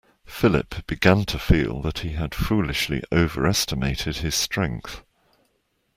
Philip began to feel that he had foolishly overestimated his strength.